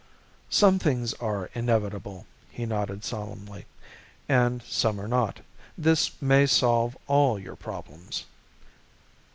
"Some things are inevitable," he nodded solemnly, "and some are not. This may solve all your problems."